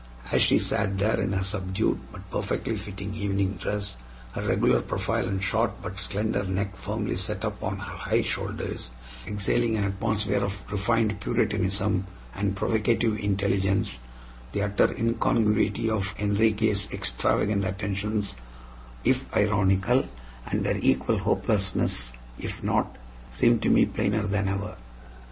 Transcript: As she sat there in her subdued but perfectly fitting evening dress, her regular profile and short but slender neck firmly set upon her high shoulders, exhaling an atmosphere of refined puritanism and provocative intelligence, the utter incongruity of Enriquez' extravagant attentions if ironical, and their equal hopelessness if not, seemed to me plainer than ever.